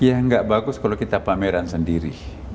ya tidak bagus kalau kita pameran sendiri